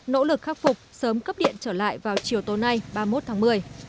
nỗ lực khắc phục sớm cấp điện trở lại vào chiều tối nay ba mươi một tháng một mươi